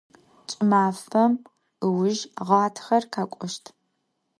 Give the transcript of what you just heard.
Ç'ımafem ıujj ğatxer khek'oşt.